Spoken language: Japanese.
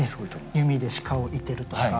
弓で鹿を射てるとか。